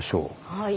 はい。